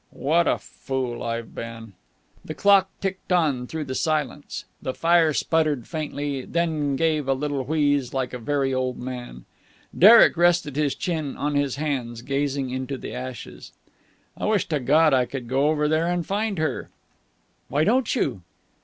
"What a fool I've been!" The clock ticked on through the silence. The fire sputtered faintly, then gave a little wheeze, like a very old man. Derek rested his chin on his hands, gazing into the ashes. "I wish to God I could go over there and find her." "Why don't you?"